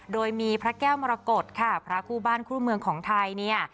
โดยมีพระแก้วมรกฏค่ะพระคู่บ้านคู่เมืองของไทยเนี่ย